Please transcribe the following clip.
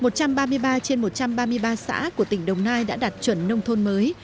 một trăm ba mươi ba trên một trăm ba mươi ba xã của tỉnh đồng nai đã đạt chuẩn nông thôn mới